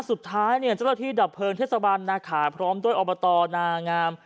สุดท้ายเนี่ยเจ้าหน้าที่ดับเพลิงเทศบาลนาขาพร้อมด้วยอบตนางาม